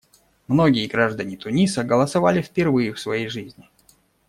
Многие граждане Туниса голосовали впервые в своей жизни.